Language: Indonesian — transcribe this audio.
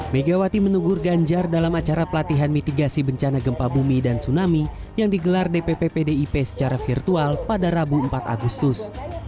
megawati menegur ganjar dalam acara pelatihan mitigasi bencana gempa bumi dan tsunami yang digelar dpp pdip secara virtual pada rabu empat agustus